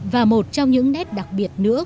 và một trong những nét đặc biệt nữa